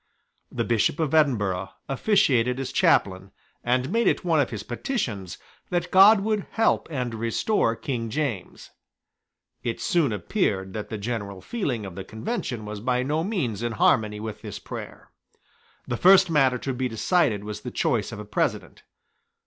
The Bishop of Edinburgh officiated as chaplain, and made it one of his petitions that God would help and restore King James, It soon appeared that the general feeling of the Convention was by no means in harmony with this prayer. The first matter to be decided was the choice of a President.